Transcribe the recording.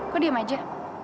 kok diam aja